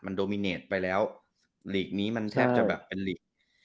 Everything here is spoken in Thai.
โดมิเนตไปแล้วหลีกนี้มันแทบจะแบบเป็นลีก